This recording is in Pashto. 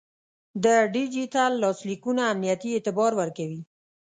د ډیجیټل لاسلیکونه امنیتي اعتبار ورکوي.